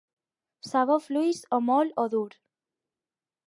Sabó fluix o moll o dur.